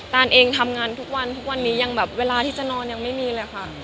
ตานเองทำงานทุกวันทุกวันนี้ยังแบบเวลาที่จะนอนยังไม่มีเลยค่ะ